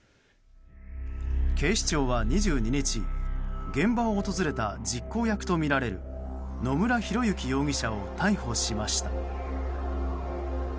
警視庁は２２日現場を訪れた実行役とみられる野村広之容疑者を逮捕しました。